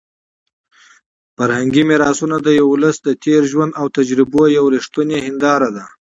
فرهنګي میراثونه د یو ولس د تېر ژوند او تجربو یوه رښتونې هنداره ده.